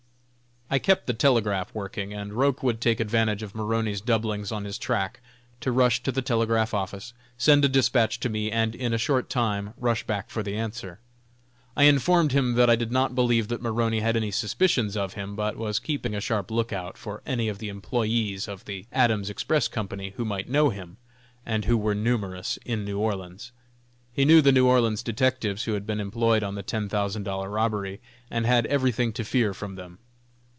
I kept the telegraph working, and Roch would take advantage of Maroney's doublings on his track, to rush to the telegraph office, send a despatch to me, and, in a short time, rush back for the answer. I informed him that I did not believe that Maroney had any suspicions of him, but was keeping a sharp lookout for any of the employés of the Adams Express Company who might know him, and who were numerous in New Orleans. He knew the New Orleans detectives who had been employed on the ten thousand dollar robbery, and had everything to fear from them.